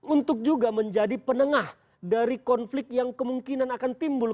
untuk juga menjadi penengah dari konflik yang kemungkinan akan timbul